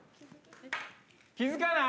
気付かない？